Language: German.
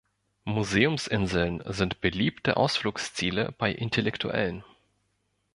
Museumsinseln sind beliebte Ausflugsziele bei Intellektuellen.